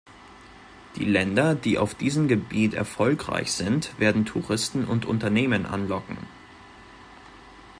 Die Länder, die auf diesem Gebiet erfolgreich sind, werden Touristen und Unternehmen anlocken.